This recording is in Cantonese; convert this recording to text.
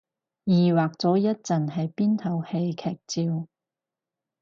疑惑咗一陣係邊套戲劇照